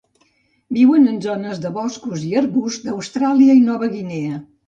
Viuen en zones de boscos i arbusts d'Austràlia i Nova Guinea.